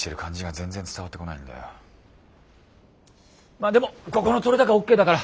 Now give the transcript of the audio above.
まっでもここの撮れ高ＯＫだから。